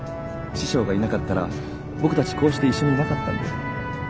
師匠がいなかったら僕たちこうして一緒にいなかったんだよ？